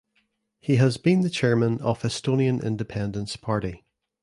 He has been the Chairman of Estonian Independence Party.